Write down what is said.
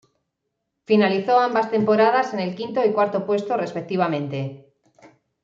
Finalizó ambas temporadas en el quinto y cuarto puesto, respectivamente.